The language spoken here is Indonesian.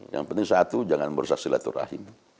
yang penting satu jangan bersaksilaturrahim